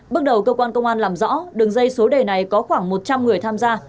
bước đầu cơ quan công an làm rõ đường dây số đề này có khoảng một trăm linh người tham gia